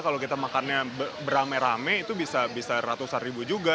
kalau kita makannya beramai ramai itu bisa ratusan ribu juga